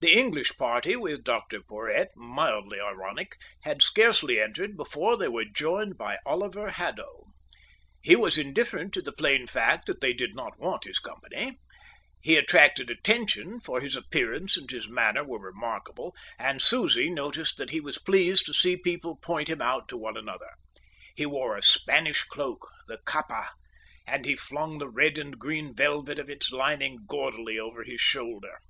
The English party with Dr Porhoët, mildly ironic, had scarcely entered before they were joined by Oliver Haddo. He was indifferent to the plain fact that they did not want his company. He attracted attention, for his appearance and his manner were remarkable, and Susie noticed that he was pleased to see people point him out to one another. He wore a Spanish cloak, the capa, and he flung the red and green velvet of its lining gaudily over his shoulder.